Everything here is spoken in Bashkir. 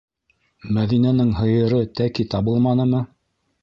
Мәҙинәнең һыйыры тәки табылманымы?